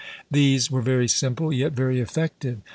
These were very simple, yet very effective.